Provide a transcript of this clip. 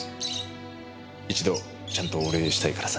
一度ちゃんとお礼をしたいからさ。